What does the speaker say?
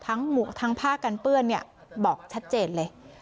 ทั้งหมูทางผ้ากันเปื้อนเนี่ยบอกชัดเจนเลย